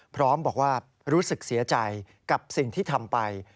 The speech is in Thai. พร้อมบอกว่ารู้สึกเสียใจกับสิ่งที่ทำไป